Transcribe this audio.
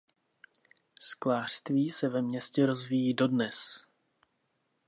Sklářství se ve městě rozvíjí dodnes.